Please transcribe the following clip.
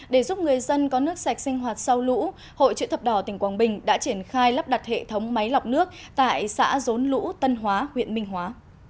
để giúp người dân có nước sạch sinh hoạt sau lũ hội chữ thập đỏ tỉnh quảng bình đã triển khai lắp đặt hệ thống máy lọc nước tại xã rốn lũ tân hóa huyện minh hóa